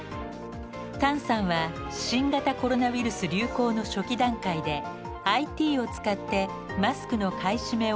タンさんは新型コロナウイルス流行の初期段階でＩＴを使ってマスクの買い占めを抑えるのに成功。